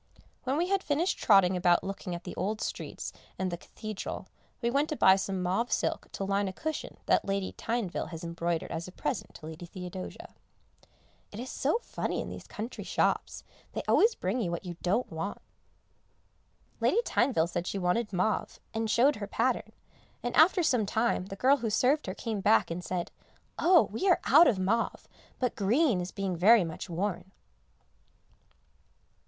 When we had finished trotting about looking at the old streets and the Cathedral, we went to buy some mauve silk to line a cushion that Lady Tyneville has embroidered as a present to Lady Theodosia. It is so funny in these country shops, they always bring you what you don't want. Lady Tyneville said she wanted mauve, and showed her pattern, and after some time the girl who served her came back and said, "Oh! we are out of mauve, but green is being very much worn."